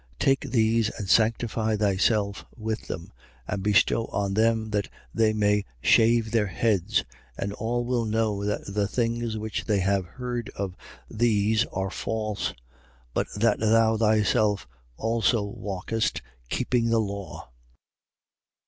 21:24. Take these and sanctify thyself with them: and bestow on them, that they may shave their heads. And all will know that the things which they have heard of these are false: but that thou thyself also walkest keeping the law.